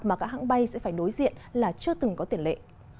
mà các hãng bay sẽ phải đối diện là chưa từng có tiền lệ